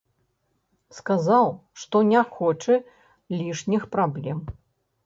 Сказаў, што не хоча лішніх праблем.